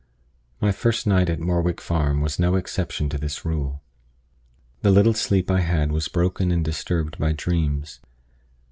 My first night at Morwick Farm was no exception to this rule. The little sleep I had was broken and disturbed by dreams.